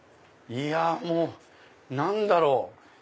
いやもう何だろう？